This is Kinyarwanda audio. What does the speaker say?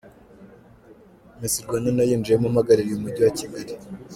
Miss Rwanda nayinjiyemo mpagarariye umujyi wa Kigali.